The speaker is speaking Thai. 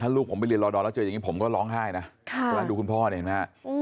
ถ้าลูกผมไปเรียนรอดรแล้วแบบนี้ผมก็ร้องไห้นะ